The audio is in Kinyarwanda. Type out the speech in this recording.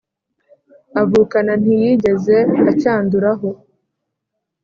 avukana ntiyigeze acyanduraho